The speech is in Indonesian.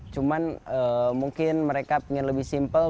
cuman mungkin mereka ingin lebih simple